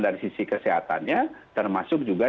dari sisi kesehatannya termasuk juga